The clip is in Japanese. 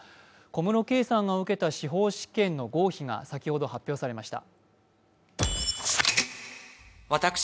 小室圭さんが受けた司法試験の合否が先ほど発表されました。